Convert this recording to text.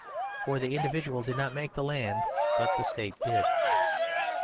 For the individual did not make the land, but the State did.